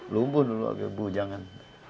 lumpuh dulu bu jangan